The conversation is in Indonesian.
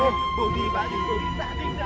hei budi badibu